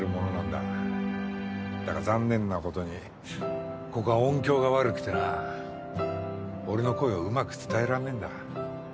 だが残念な事にここは音響が悪くてな俺の声をうまく伝えられねえんだ。